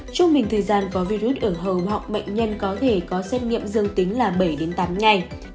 trung bình thời gian có virus ở hầu họng bệnh nhân có thể có xét nghiệm dương tính là bảy tám ngày